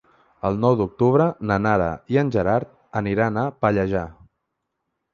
El nou d'octubre na Nara i en Gerard aniran a Pallejà.